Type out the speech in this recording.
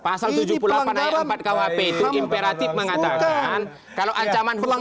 pasal tujuh puluh delapan ayat empat kwp itu imperatif mengatakan kalau ancaman hukum